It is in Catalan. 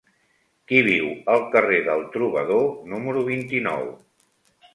Qui viu al carrer del Trobador número vint-i-nou?